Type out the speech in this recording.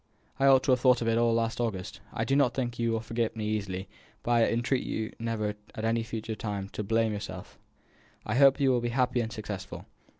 I ought to have thought of it all last August. I do not think you will forget me easily, but I entreat you never at any future time to blame yourself. I hope you will be happy and successful.